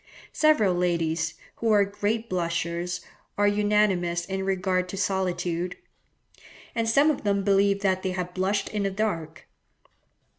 Several ladies, who are great blushers, are unanimous in regard to solitude; and some of them believe that they have blushed in the dark.